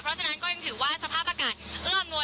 เพราะฉะนั้นก็ยังถือว่าสภาพอากาศเอื้ออำนวล